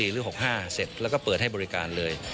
หรือ๖๕เสร็จแล้วก็เปิดให้บริการเลย